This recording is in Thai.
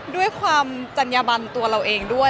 ด้วยความจัญญบันตัวเราเองด้วย